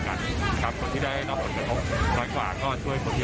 และก็มีรอยยิ้มมีความสุขแบบนี้